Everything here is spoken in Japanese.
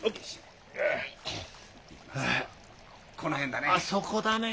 この辺だね。